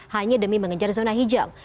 hanya demi mengejar zona hijau